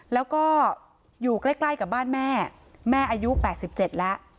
แล้วก็อยู่ใกล้ใกล้กับบ้านแม่แม่อายุแปดสิบเจ็ดแล้ว